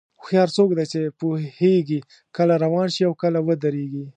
هوښیار څوک دی چې پوهېږي کله روان شي او کله ودرېږي.